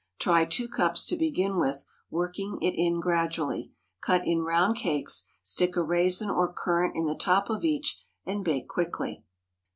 Try two cups to begin with, working it in gradually. Cut in round cakes, stick a raisin or currant in the top of each, and bake quickly.